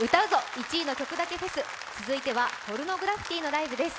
１位の曲だけフェス」、続いてはポルノグラフィティのライブです。